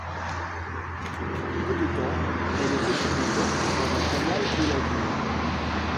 Peu de temps, elle est retrouvée morte dans un canal de la ville.